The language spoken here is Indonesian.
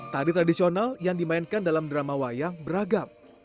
tari tradisional yang dimainkan dalam drama wayang beragam